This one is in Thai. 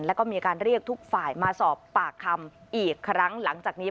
แล้วก็มีการเรียกทุกฝ่ายมาสอบปากคำอีกครั้งหลังจากนี้